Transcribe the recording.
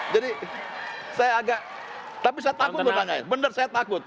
jadi saya agak tapi saya takut lo tanya benar saya takut